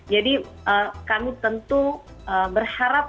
jadi kami tentu berharap